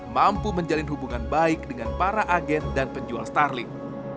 mampu menjalin hubungan baik dengan para agen dan penjual starling